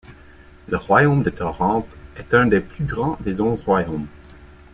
Le royaume de Torenth est un des plus grands des Onze Royaumes.